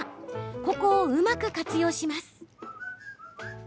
ここをうまく活用します。